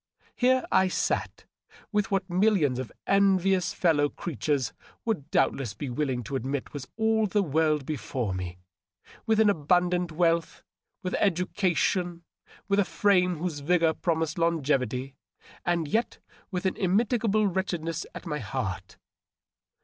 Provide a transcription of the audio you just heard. Here I sat, with what millions of envious fellow creatures would doubt less be willing to admit was all the world before me — with abundant wealth, with education, with a frame whose vigor promised longevity, and yet with an immitigable wretchedness at my heart.